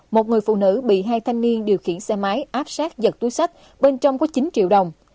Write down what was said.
một người phụ nữ bị hai thanh niên điều khiển xe máy áp sát giật túi sách bên trong có chín triệu đồng